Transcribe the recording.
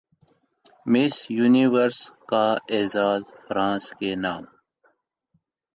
مس Universe کا اعزاز France کے نام